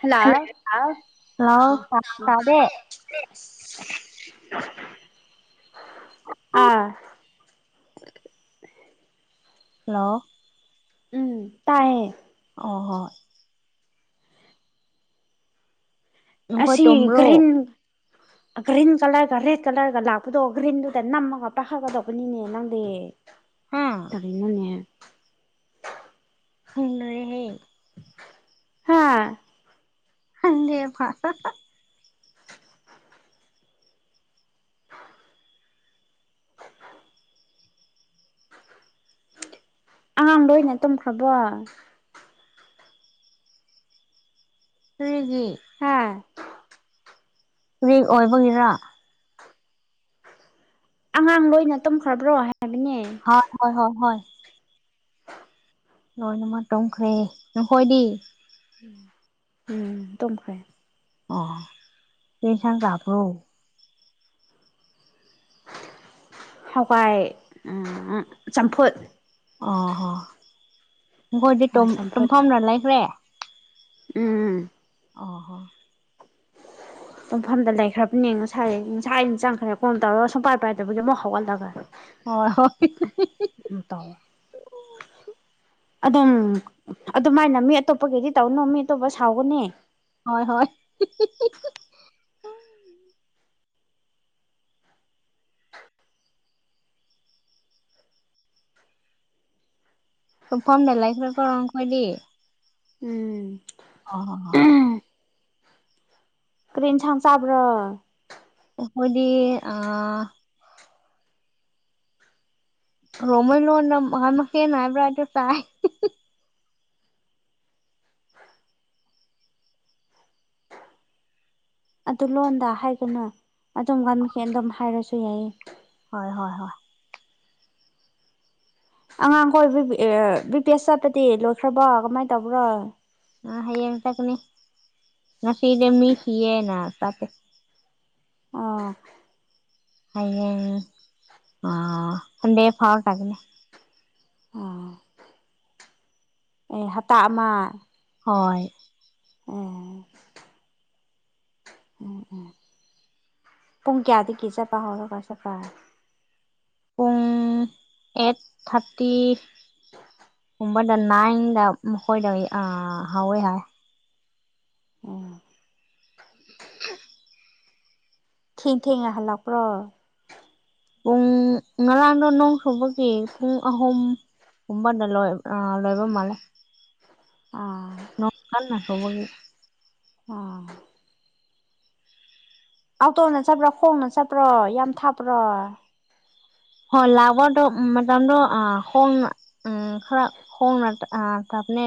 hello hello hello ꯇꯥꯗꯦ ꯑꯥ hello ꯎꯝ ꯇꯥꯏꯌꯦ ꯑꯣ ꯍꯣꯏ ꯅꯈꯣꯏ ꯑꯁꯤ ꯇꯣ꯭ꯔꯣ ꯒ꯭ꯔꯤꯟ ꯒ꯭ꯔꯤꯟ ꯀꯂꯔꯒ ꯔꯦꯗ ꯀꯂꯔꯒ ꯂꯥꯛꯄꯗꯣ ꯒ꯭ꯔꯤꯟꯗꯨꯗ ꯅꯝꯃꯒ ꯄꯥꯈꯠꯀꯗꯧꯕꯅꯤꯅꯦ ꯅꯪꯗꯤ ꯍꯥ ꯑꯔ ꯏꯅꯅꯦ ꯍꯅꯔꯦ ꯍꯌꯦ ꯍꯥꯥ ꯍꯟꯗ ꯐꯥꯁ ꯑꯉꯥꯡꯗ ꯑꯣꯏꯅ ꯇꯨꯝꯈ꯭ꯔꯕꯣ ꯀꯩꯒꯤ ꯍꯥꯥ ꯔꯦꯛ ꯑꯣꯏꯕꯒꯤꯔꯥ ꯑꯉꯥꯡ ꯂꯣꯏꯅ ꯇꯨꯝꯈ꯭ꯔꯕ꯭ꯔꯣ ꯍꯥꯏꯕꯅꯦ ꯍ ꯍꯣꯏ ꯍꯣꯏ ꯍꯣꯏ ꯂꯣꯏꯅꯃ ꯇꯣꯡꯈ꯭ꯔꯦ ꯅꯈꯣꯏꯗꯤ ꯎ ꯎꯝ ꯇꯝꯈ꯭ꯔꯦ ꯑꯣ ꯀꯁꯪ ꯕ꯭ꯔꯣ ꯍꯋꯥꯏ ꯆꯝꯐꯨꯠ ꯑꯣꯍꯣ ꯃꯈꯣꯏꯗꯤ ꯍꯋꯥꯏ ꯆꯝꯐꯨꯠ ꯇꯨꯝꯐꯝꯅ ꯂꯩꯈ꯭ꯔꯦ ꯎꯝ ꯑꯣ ꯍꯣ ꯇꯨꯝꯐꯝꯗ ꯂꯩꯈ꯭ꯔꯕꯅꯦ ꯉꯁꯥꯏ ꯉꯁꯥꯏ ꯑꯩꯅ ꯆꯪꯈ꯭ꯔꯦ ꯀꯣꯝ ꯇꯧꯔꯒ ꯁꯨꯡꯄꯥꯏ ꯄꯥꯏꯗꯕꯒꯤ ꯑꯃꯨꯛ ꯍꯧꯒꯠꯂꯒ ꯍꯣꯏ ꯍꯣꯏ ꯉ ꯇ [inaudible] [inaudible] ꯑꯗꯨꯝ ꯑꯗꯨꯃꯥꯏꯅ ꯃꯤ ꯑꯇꯣꯞꯄ ꯀꯩꯗꯤ ꯇꯧꯅꯨ ꯃꯤ ꯑꯇꯣꯞꯄ ꯁꯥꯎꯒꯅꯤ ꯍꯣꯏ ꯍꯣꯏ ꯐꯣꯔꯝ ꯂꯩꯥꯏ ꯐꯔꯀꯣ ꯔꯣꯡ ꯀꯗꯤ ꯎꯝ ꯑꯣ ꯀꯦꯟꯁꯥꯡ ꯆꯥꯕ꯭ꯔꯣ ꯈꯣꯏꯗꯤ ꯑ ꯔꯃꯜ ꯂꯣꯅ ꯃꯉꯥꯟ ꯃꯁꯦ ꯅꯥꯏꯕ꯭ꯔꯥꯏꯣ ꯆꯥꯏ ꯑꯗꯨ ꯂꯣꯟꯗ ꯍꯥꯏꯒꯅ ꯑꯗꯨꯝ ꯉꯟꯈꯤ ꯑꯗꯨꯝ ꯍꯥꯏꯔꯁꯨ ꯌꯥꯏꯌꯦ ꯍꯣꯏ ꯍꯣꯏ ꯍꯣꯏ ꯑꯉꯥꯡꯈꯣꯏ ꯕꯤ ꯕꯤ ꯄꯤ ꯑꯦꯁ ꯆꯠꯄꯗꯤ ꯂꯣꯏꯈ꯭ꯔꯕꯣ ꯀꯃꯥꯏꯅ ꯇꯧꯕ꯭ꯔꯣ ꯑ ꯍꯌꯦꯡꯇꯛꯅꯤ ꯉꯁꯤꯗꯤ ꯃꯤ ꯁꯤꯌꯦꯅ ꯇꯦ ꯑꯥ ꯑꯌꯦꯡ ꯑ ꯍꯗꯦ ꯐꯥꯎꯠꯒꯅꯦ ꯑꯣ ꯑꯦ ꯍꯥꯇꯥꯛ ꯑꯃ ꯍꯣꯏ ꯑꯣ ꯎꯝ ꯎꯝ ꯄꯨꯡ ꯀꯌꯥꯗꯒꯤ ꯆꯠꯄ ꯍꯧꯔꯒ ꯆꯠꯄꯦ ꯄꯨꯡ ꯑꯦꯠ ꯊꯥꯔꯇꯤ ꯀꯨꯝꯕꯗ ꯅꯥꯏꯟꯗ ꯃꯈꯣꯏꯗ ꯍꯧꯥꯎꯋꯦ ꯍꯥꯏ ꯑꯣꯝ [unintelligible] ꯊꯦꯡ ꯊꯦꯡꯅꯍꯜꯂꯛꯄ꯭ꯔꯣ ꯄꯨꯡ ꯉꯔꯥꯡꯗꯣ ꯅꯣꯡ ꯁꯨꯕꯒꯤ ꯄꯨꯡ ꯑꯍꯨꯝ ꯀꯕꯗ ꯂꯣꯏ ꯑ ꯂꯣꯏꯕ ꯃꯦꯀꯥꯟ ꯑꯥ ꯅꯧꯕꯒ ꯑꯥ ꯑꯥꯎꯇꯣꯡꯅ ꯆꯠꯄ꯭ꯔꯣ ꯈꯣꯡꯅ ꯆꯠꯄ꯭ꯔꯣ ꯌꯥꯝ ꯊꯥꯞꯄ꯭ꯔꯣ ꯍ ꯂꯚꯗ ꯇꯣ ꯑ ꯎꯝ ꯈꯔ ꯈꯣꯡꯅ ꯑ ꯇꯥꯞꯅꯦ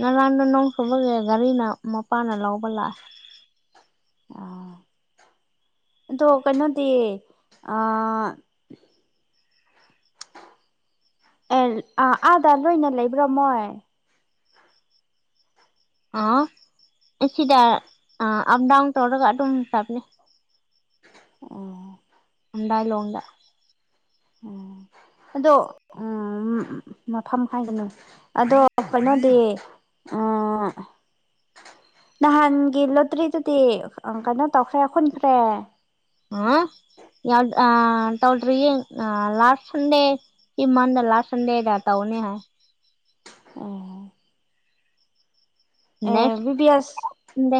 ꯉꯔꯥꯟꯅ ꯅꯣꯡ ꯁꯨꯕꯒ ꯒꯥꯔꯤꯅ ꯃꯄꯥꯅ ꯂꯧꯕ ꯂꯥꯛꯑꯦ ꯑꯥ ꯑꯗꯣ ꯀꯩꯅꯣꯗꯤ ꯑꯦ ꯑꯥꯗ ꯂꯣꯏꯅ ꯂꯩꯕ꯭ꯔꯣꯃꯣꯏ ꯑꯥ ꯁꯤꯗ ꯑꯞꯗꯥꯟ ꯇꯧꯔꯒ ꯑꯗꯨꯝ ꯇꯥꯕꯅꯦ ꯑꯣ ꯂꯣꯒ [unintelligible] ꯑꯗꯣ ꯎ ꯃꯐꯝ ꯀꯒꯅꯨ ꯑꯗꯣ ꯀꯩꯅꯣꯗꯤ ꯑ ꯅꯍꯥꯟꯒꯤ ꯂꯣꯇ꯭ꯔꯤꯗꯨꯗꯤ ꯀꯩꯅꯣ ꯇꯧꯈ꯭ꯔꯦ ꯍꯨꯟꯈ꯭ꯔꯦ ꯑ ꯌꯥꯎꯗ ꯑ ꯇꯧ꯭ꯔꯤ ꯂꯥꯁ ꯁꯟꯗꯦ ꯀ ꯃꯟꯗ ꯂ ꯁꯟꯗꯦꯍꯗꯇꯥ ꯑꯣꯅꯦ ꯍꯥꯏ ꯑ ꯑꯦ ꯕꯤ ꯕꯤ ꯑꯦꯁ ꯅ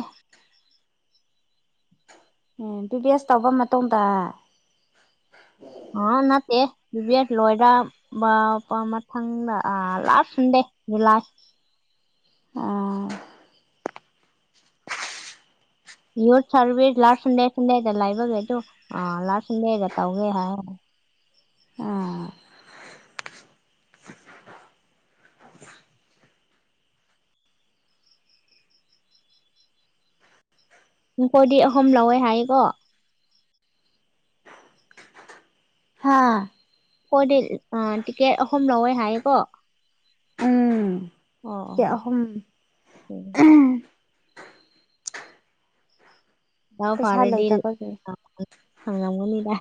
ꯎꯝ ꯕꯤ ꯕꯤ ꯑꯦꯁ ꯇꯧꯕ ꯃꯇꯨꯡꯗ ꯑ ꯅꯠꯇꯦ ꯕꯤ ꯑꯦꯠ ꯂꯣꯏꯔ ꯕ ꯃꯊꯪꯗ ꯑ ꯂꯥꯁ ꯗꯦ ꯖꯨꯂꯥꯏ ꯑꯥ ꯌꯨꯠ ꯁꯥꯔꯚꯤꯁ ꯂꯥꯁ ꯁꯟꯗꯦ ꯁꯟꯗꯦꯗ ꯂꯩꯕꯒꯩ ꯑꯗꯨ ꯑ ꯂꯥꯁ ꯁꯟꯗꯦꯗ ꯇꯧꯒꯦ ꯍꯥꯏ ꯃꯈꯈꯣꯏꯗꯤ ꯑꯍꯨꯝ ꯂꯧꯋꯦ ꯍꯥꯏꯀꯣ ꯍꯥꯥ ꯍꯣꯏꯗꯤ ꯇꯤꯀꯦꯠ ꯑꯍꯨꯝ ꯂꯧꯋꯦ ꯍꯥꯏꯌꯦꯀꯣ ꯎꯝ ꯑꯣ ꯑꯍꯨꯝ ꯎ ꯄꯩꯁꯥ ꯐꯥꯔꯗꯤ ꯂꯩꯇꯕꯒꯤ ꯐꯪꯂꯝꯂꯝꯅꯤꯗ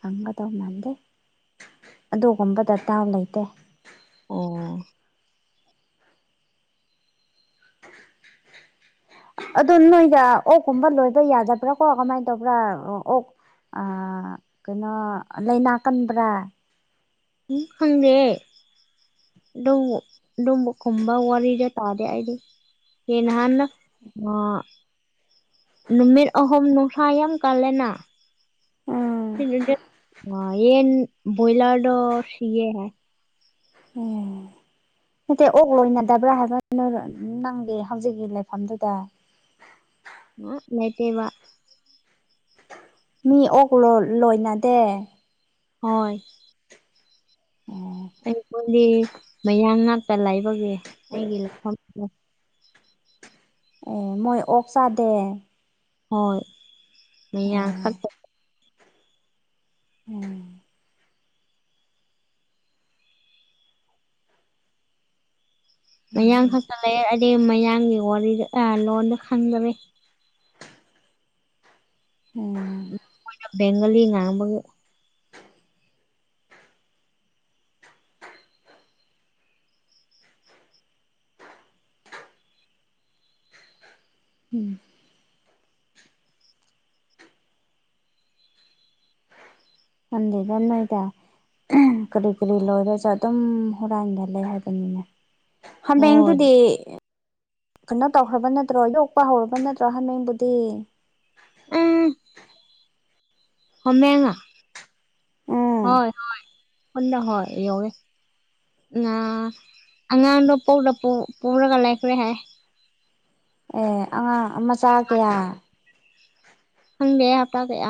ꯐꯪꯒꯗꯧ ꯃꯥꯟꯗꯦ ꯑꯗꯨꯒꯨꯝꯕꯗ ꯗꯥꯥꯎ ꯂꯩꯇꯦ ꯑꯣ ꯑꯗꯨꯗꯣ ꯅꯣꯏꯗ ꯑꯣꯛꯀꯨꯝꯕ ꯂꯣꯏꯕ ꯌꯥꯗꯕ꯭ꯔꯥ ꯀꯣ ꯀꯃꯥꯏꯅ ꯇꯧꯕ꯭ꯔꯥ ꯑꯣꯛ ꯀꯩꯅꯣ ꯂꯥꯏꯅꯥ ꯀꯟꯕ꯭ꯔꯥ ꯎꯝ ꯈꯪꯗꯦ ꯈꯨꯝꯕ ꯋꯥꯔꯤꯗ ꯇꯥꯗꯦ ꯑꯩꯗꯤ ꯀꯍꯥꯟ ꯑ ꯅꯨꯃꯤꯠ ꯑꯍꯨꯝ ꯅꯨꯡꯁꯥ ꯌꯥꯝ ꯀꯜꯂꯦꯅꯥ ꯎꯝ ꯌꯦꯟ ꯣꯏꯂꯔꯗ ꯁꯤꯌꯦ ꯍꯥꯏꯦ ꯎꯝ ꯅꯠꯇꯦ ꯑꯣꯛ ꯂꯣꯏꯅꯗꯕ꯭ꯔꯥ ꯍꯥꯏꯕ ꯅꯪꯒꯤ ꯍꯧꯖꯤꯛꯀꯤ ꯂꯩꯐꯝꯗꯨꯗ ꯑ ꯂꯥꯏꯇꯕ ꯃꯤ ꯑꯣꯛ ꯂꯣꯏꯅꯗꯦ ꯍꯣꯏ ꯑꯩꯉꯣꯟꯗꯤ ꯃꯌꯥꯡ ꯉꯛꯇ ꯂꯩꯥꯏꯕꯒꯤ ꯑꯩꯒꯤ ꯂꯩꯐꯝ ꯑꯦ ꯃꯣꯏ ꯑꯣꯛ ꯆꯥꯗꯦ ꯍꯣꯏ ꯃꯤꯈ ꯎꯝ ꯃꯌꯥꯡ ꯈ ꯆꯠꯂꯑꯦ ꯑꯗꯩ ꯃꯌꯥꯡꯒꯤ ꯋꯥꯔꯤꯗ ꯂꯣꯟꯗ ꯈꯪꯗꯔꯦ ꯎꯝ ꯕꯦꯡꯒꯂꯤ ꯉꯥꯡꯒ ꯎꯝ ꯅꯗꯦ ꯀꯅꯨꯡꯥꯏꯗ ꯀꯔꯤ ꯀꯔꯤ ꯂꯣꯏꯔꯁꯨ ꯑꯗꯨꯝ ꯍꯨꯔꯥꯟꯒ ꯂꯩ ꯍꯥꯏꯕꯅꯤꯅꯦ ꯍꯣꯏ ꯍꯃꯦꯡꯗꯨꯗꯤ ꯀꯩꯅꯣ ꯇꯧꯈ꯭ꯔꯕ ꯅꯠꯇ꯭ꯔꯣ ꯌꯣꯛꯄ ꯍꯧꯔꯕ ꯅꯠꯇ꯭ꯔꯣ ꯍꯥꯃꯦꯡꯕꯨꯗꯤ ꯍꯃꯦꯉꯥ ꯍꯣꯏ ꯍꯣꯏ ꯅ ꯍꯣꯏ ꯍꯦ ꯑꯉꯥꯡꯗꯣ ꯄ ꯄꯨꯔꯒ ꯂꯩꯈ꯭ꯔꯦ ꯍꯥꯏ ꯑꯦ ꯑꯉꯥꯡ ꯃꯆꯥ ꯀꯌꯥ ꯈꯪꯗꯦ ꯑꯩ ꯍꯞꯇꯥ ꯀꯩ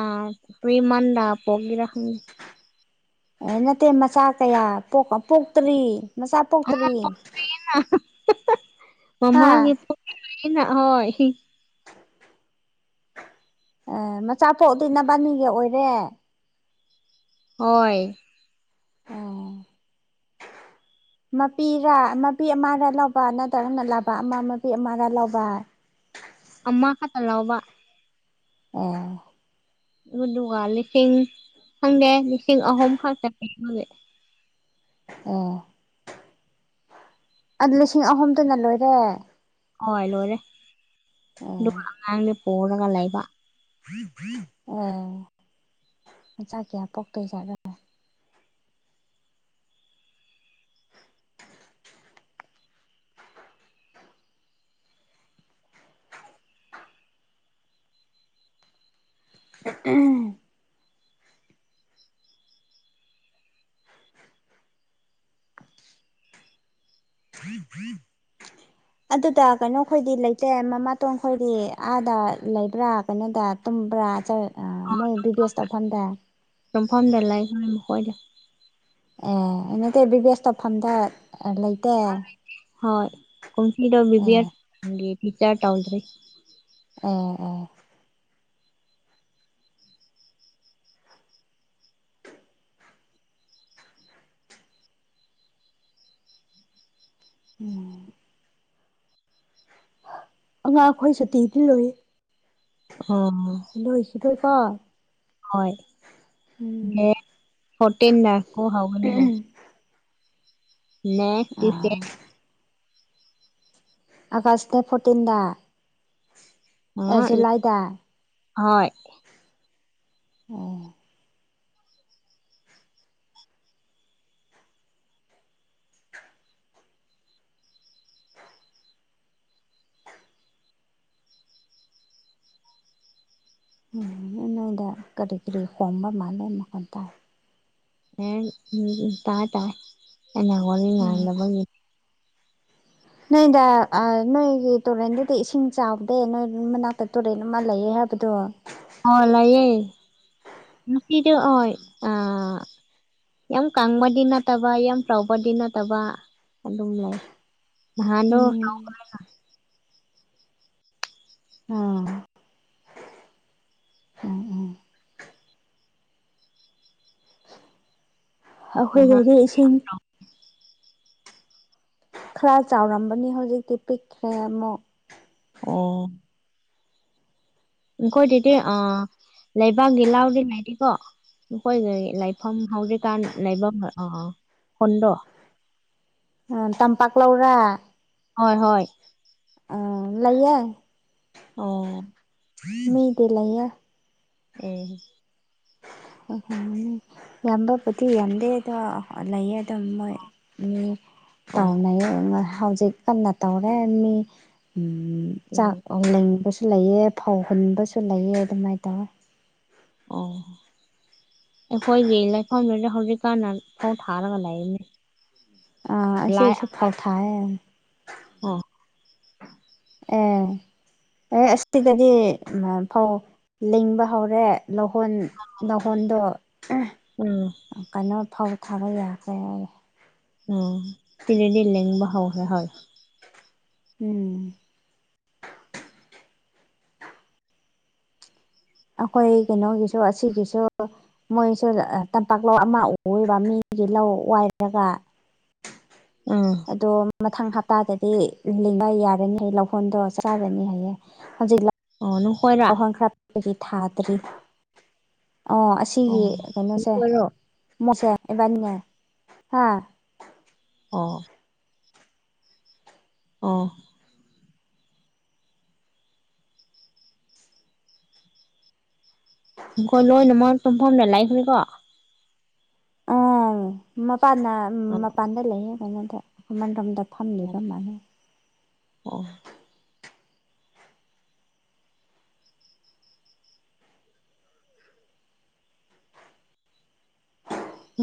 ꯄ꯭ꯔꯤ ꯃꯟꯗ ꯄꯣꯛꯀꯤꯔ ꯈꯪꯗꯦ ꯑꯦ ꯅꯠꯇꯦ ꯃꯆꯥ ꯀꯌꯥ ꯄꯣꯛꯇ꯭ꯔꯤ ꯃꯆꯥ ꯄꯣꯛꯇ꯭ꯔꯤ ꯍꯥ ꯃꯃꯥꯒꯤ ꯑꯩꯅ ꯍꯣꯏ ꯑꯦ ꯃꯆꯥ ꯄꯣꯛꯗꯤ ꯅꯕꯥꯅꯤꯒꯤ ꯑꯣꯏꯔꯦ ꯍꯣꯏ ꯑꯣ ꯃꯄꯤꯔꯥ ꯃꯥꯄꯤ ꯑꯃꯔꯥ ꯂꯧꯕ ꯅꯠꯇ꯭ꯔꯒ ꯂꯥꯕꯥ ꯑꯃ ꯃꯄꯤ ꯑꯃꯔꯥ ꯂꯧꯕ ꯑꯃ ꯈꯛꯇꯥ ꯂꯥꯎꯕꯅꯦ ꯑꯦ ꯑꯗꯨꯗꯨꯒ ꯂꯤꯁꯤꯡ ꯈꯪꯗꯦ ꯂꯤꯁꯤꯡ ꯑꯍꯨꯝ ꯈꯛꯇꯥ ꯑꯣ ꯑꯗꯨ ꯂꯤꯁꯤꯡ ꯑꯍꯨꯝꯗꯨꯅ ꯂꯣꯏꯔꯦ ꯍꯣꯏ ꯂꯣꯏꯔꯦ ꯑꯦ ꯑꯗꯨꯒ ꯑꯉꯥꯡꯗꯥ ꯄꯨꯔꯒ ꯂꯩꯕ ꯑꯣ ꯃꯆꯥ ꯄꯣꯛꯇꯣꯏꯖꯥꯠ ꯎꯝ [inaudible] ꯑꯗꯨꯗ ꯀꯩꯅꯣ ꯈꯣꯏꯗꯤ ꯂꯩꯇꯦ ꯃꯥꯃꯥꯇꯣꯟ ꯈꯣꯏꯗꯤ ꯑꯥꯗ ꯂꯩꯕ꯭ꯔꯥ ꯀꯩꯅꯣꯗ ꯇꯨꯝꯕ꯭ꯔꯥ ꯃꯣꯏ ꯕꯤ ꯌꯦꯁ ꯇꯧꯐꯝꯗ ꯌꯨꯝꯐꯝꯗꯥ ꯂꯩꯕꯥꯅꯦ ꯃꯈꯣꯏꯗꯤ ꯑꯦ ꯅꯠꯇꯦ ꯕꯤꯕꯤꯌꯦꯁ ꯇꯧꯐꯝꯗꯥ ꯂꯩꯇꯦ ꯍꯣꯏ ꯀꯨꯝꯁꯤꯗꯣ ꯑꯦ ꯕꯤꯕꯤꯌꯦꯁ ꯀꯤ ꯇꯧꯗꯔꯦ ꯑꯦ ꯑꯦ ꯎꯝ ꯑꯉꯥꯡ ꯈꯣꯏ ꯁꯨꯇꯤꯗꯤ ꯂꯩꯌꯦ ꯑꯥ [inaudible] ꯍꯣꯏ ꯎꯝ ꯗꯦꯠ ꯐꯣꯇꯤꯟ ꯗꯥꯀꯣ ꯍꯧꯒꯅꯤ [inaudible] ꯑꯥꯒꯁ ꯗꯦꯠ ꯐꯣꯔꯇꯤꯟꯗ ꯑꯦ ꯖꯨꯂꯥꯏꯗ ꯍꯣꯏ ꯑꯣ ꯅꯣꯏꯗ ꯀꯔꯤ ꯀꯔꯤ ꯈꯣꯡꯕ ꯃꯥꯜꯂꯦ ꯃꯈꯣꯜ ꯇꯥꯏ ꯌꯦꯟ ꯇꯥ ꯇꯥꯏ ꯑꯩꯅꯥ ꯋꯥꯔꯤ ꯎꯝ ꯉꯥꯟꯗꯥꯕꯥꯒꯤꯅꯦ ꯅꯣꯏꯗ ꯅꯣꯏꯒꯤ ꯇꯨꯔꯦꯟꯗꯨꯗꯤ ꯏꯁꯤꯡ ꯆꯥꯎꯗꯦ ꯅꯣꯏ ꯃꯅꯥꯛꯇ ꯇꯨꯔꯦꯟ ꯑꯃ ꯂꯩꯌꯦ ꯍꯥꯏꯕ ꯑꯗꯣ ꯑꯥꯎ ꯂꯩꯥꯌꯦ ꯅꯨꯡꯄꯤꯗꯣ ꯑꯣꯏ ꯑꯥ ꯌꯥꯝ ꯀꯪꯕꯗꯤ ꯅꯠꯇꯕ ꯌꯥꯝ ꯆꯥꯎꯕꯗꯤ ꯅꯠꯇꯕ ꯑꯗꯨꯝ ꯂꯩ ꯅꯍꯥꯟꯗꯣ ꯎꯝ ꯑꯥ ꯎꯝ ꯎꯝ ꯅꯍꯥꯟ ꯑꯈꯣꯏꯗꯗꯤ ꯏꯁꯤꯡ ꯈꯔꯥ ꯆꯥꯎꯔꯝꯕꯅꯤ ꯍꯧꯖꯤꯛꯇꯤ ꯄꯤꯛꯈ꯭ꯔꯦ ꯑꯃꯨꯛ ꯑꯣ ꯅꯈꯣꯏꯗꯥꯗꯤ ꯑꯥ ꯂꯩꯕꯥꯛꯒꯤ ꯂꯧꯗꯤ ꯂꯩꯇꯦꯀꯦ ꯅꯈꯣꯏꯒꯤ ꯂꯥꯏꯐꯝ ꯍꯧꯖꯤꯛꯀꯥꯟ ꯂꯩꯐꯝ ꯈꯨꯟꯗꯣ [unintelligible] ꯑꯥ ꯇꯝꯄꯥꯛ ꯂꯧꯔꯥ ꯍꯣꯏ ꯍꯣꯏ ꯑꯥ ꯂꯩꯌꯦ ꯑꯣ ꯃꯤꯗꯤ ꯂꯩꯌꯦ ꯑꯦ ꯎꯝ ꯌꯥꯝꯕꯕꯨꯗꯤ ꯌꯥꯝꯗꯦꯗꯣ ꯂꯩꯌꯦ ꯑꯗꯨꯝ ꯃꯣꯏ ꯃꯤ ꯑꯣ ꯇꯥꯎꯅꯩꯌꯦ ꯍꯧꯖꯤꯛ ꯀꯥꯟꯅꯥ ꯇꯥꯎꯔꯦ ꯃꯤ ꯆꯥꯛ ꯎꯝ ꯂꯤꯡꯕꯥꯁꯨ ꯂꯩꯌꯦ ꯐꯧ ꯍꯨꯟꯕꯁꯨ ꯂꯩꯌꯦ ꯑꯗꯨꯃꯥꯏꯅ ꯇꯧꯋꯦ ꯑꯣ ꯑꯩꯈꯣꯏꯒꯤ ꯂꯩꯐꯝꯗꯨꯗ ꯍꯧꯖꯤꯛ ꯀꯥꯟꯅ ꯐꯧ ꯊꯥꯔꯒ ꯂꯩꯌꯦ ꯑꯥ ꯑꯁꯤꯁꯨ ꯐꯥꯎ ꯊꯥꯏꯌꯦ ꯑꯣ ꯑ ꯑꯦ ꯑꯁꯤꯗꯗꯤ ꯐꯧ ꯂꯤꯡꯕ ꯍꯧꯔꯦ ꯂꯧꯍꯣꯟ ꯂꯍꯣꯟꯗꯣ ꯎꯝ ꯀꯩꯅꯣ ꯐꯧ ꯊꯥꯕ ꯌꯥꯈ꯭ꯔꯦ ꯍꯥꯏꯔꯦ ꯑꯣ ꯁꯤꯔꯗꯤ ꯂꯕ ꯍꯥꯎ ꯍ ꯍ ꯎꯝ ꯑꯩꯈꯣꯏ ꯀꯩꯅꯣꯒꯤꯁꯨ ꯑꯁꯤꯒꯤꯁꯨ ꯃꯣꯏꯁꯨ ꯇꯝꯄꯥꯛ ꯂꯧ ꯑꯃ ꯎꯕ ꯃꯤꯒꯤ ꯂꯧ ꯋꯥꯏꯔꯒ ꯑꯥ ꯑꯗ ꯃꯊꯪ ꯍꯞꯇꯥꯗꯗꯤ ꯂꯤꯡꯕ ꯌꯥꯔꯅꯤ ꯍꯥꯏꯌꯦ ꯂꯧꯍꯣꯟꯗꯣ ꯆꯠꯂꯒꯅꯤ ꯍꯥꯏꯌꯦꯦ ꯍꯧꯖꯤꯛ ꯑꯣ ꯅꯪ ꯍꯣꯏꯅ ꯄꯈ꯭ꯔ ꯊꯥꯗ꯭ꯔꯤ ꯑꯣ ꯑꯣ ꯑꯁꯤꯒꯤ ꯀꯩꯅꯣꯁꯦ ꯅꯈꯣꯏꯔꯣ ꯃꯁꯦ ꯑꯦꯕꯥꯅꯤ ꯍꯥ ꯑꯣ ꯑꯣ ꯈꯣꯏ ꯂꯣꯏꯅꯃꯣꯏ ꯇꯨꯝꯐꯝꯗ ꯂꯥꯛꯈꯅꯦꯅꯤꯀꯣ ꯎꯝ ꯃꯄꯥꯟꯗ ꯑꯣ ꯃꯄꯥꯟꯗ ꯂꯩꯌꯦ ꯀꯩꯅꯣꯗ ꯑꯩꯈꯃꯔꯣꯝꯗ ꯑ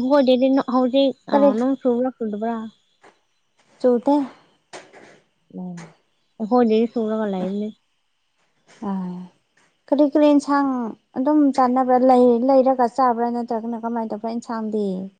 ꯍꯗꯦꯗꯤ ꯍꯧꯖꯤ ꯑ ꯀꯔꯤ ꯅꯪ ꯁꯨꯕ꯭ꯔ ꯐꯗꯕ꯭ꯔꯥ ꯆꯧꯗ ꯍꯅꯦ ꯁꯨꯅ ꯋꯥꯂꯥꯏꯅꯤ ꯑ ꯀꯔꯤ ꯀꯔꯤ ꯏꯟꯁꯥꯡ ꯑꯗꯨꯝ ꯆꯥꯅꯕ꯭ꯔꯥ ꯂꯩ ꯂꯩꯔꯒ ꯆꯥꯕ꯭ꯔꯥ ꯅꯠꯇ꯭ꯔꯒꯅ ꯀꯃꯥꯏꯅ ꯇꯧꯕ꯭ꯔꯥ ꯏꯟꯁꯥꯡꯗꯤ